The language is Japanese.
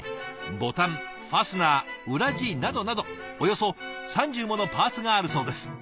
ボタンファスナー裏地などなどおよそ３０ものパーツがあるそうです。